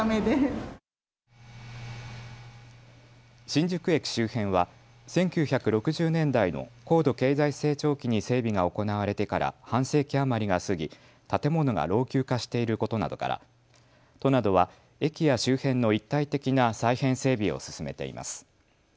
新宿駅周辺は１９６０年代の高度経済成長期に整備が行われてから半世紀余りが過ぎ建物が老朽化していることなどから都などは駅や周辺の一体的な再編整備を進めています。